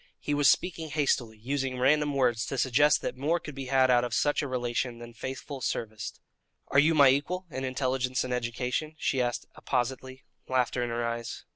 He was speaking hastily, using random words to suggest that more could be had out of such a relation than faithful service. "Are you my equal in intelligence and education?" she asked appositely, laughter in her eyes.